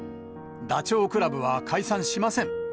ダチョウ倶楽部は解散しません。